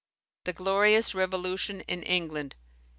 The glorious Revolution in England.